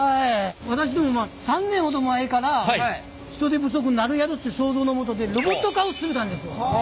私ども３年ほど前から人手不足になるやろうという想像のもとでロボット化を進めたんですわ。